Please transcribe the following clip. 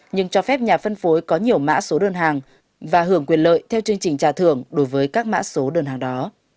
nhưng cho phép nhà phân phối có nhiều mã số đơn hàng và hưởng quyền lợi theo chương trình trả thưởng đối với các mã số đơn hàng đó